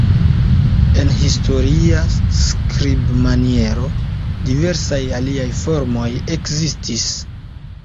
En historia skribmaniero, diversaj aliaj formoj ekzistis.